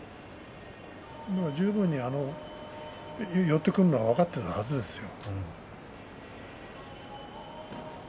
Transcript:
十分に寄ってくるのは分かっているはずですよ。